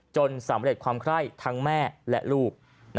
จนสำเร็จความคล่ายทั้งแม่และลูก